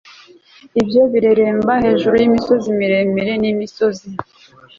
Ibyo bireremba hejuru yimisozi miremire nimisozi